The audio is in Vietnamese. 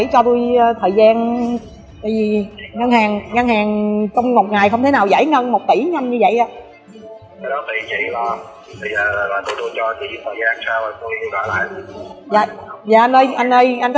rồi nó tắt máy